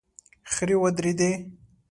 خرې ودرېدې.